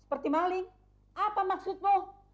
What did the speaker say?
seperti maling apa maksudmu